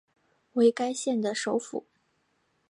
为该县的首府。